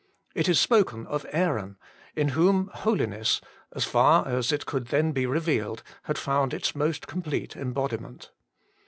It is spoken of Aaron, in whom holiness, as far as it could then be revealed, had found its most complete embodiment.